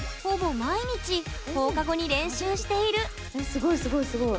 すごいすごいすごい！